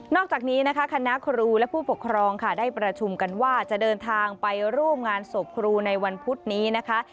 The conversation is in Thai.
อกจากนี้นะคะคณะครูและผู้ปกครองค่ะได้ประชุมกันว่าจะเดินทางไปร่วมงานศพครูในวันพุธนี้นะคะ